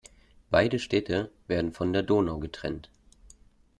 Beide Städte werden von der Donau getrennt.